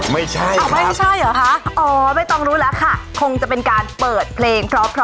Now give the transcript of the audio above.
ไม่ใช่ค่ะอ๋อไม่ต้องรู้แล้วค่ะคงจะเป็นการเปิดเพลงพร้อม